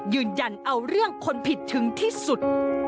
ยืนยันเอาเรื่องคนผิดถึงที่สุด